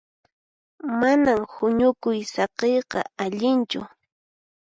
Manan huñukuy saqiyqa allinchu.